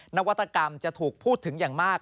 นวัตกรรมจะถูกพูดถึงอย่างมาก